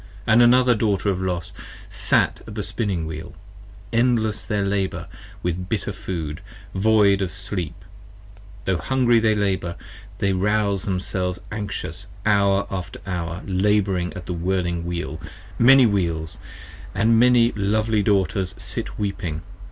68 And another Daughter of Los sat at the Spinning Wheel: 30 Endless their labour, with bitter food, void of sleep, Tho' hungry they labour: they rouze themselves anxious Hour after hour labouring at the whirling Wheel, Many Wheels, & as many lovely Daughters sit weeping.